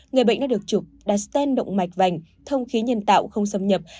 người bệnh đã được chụp đặt stent động mạch vành thông khí nhân tạo không xâm nhập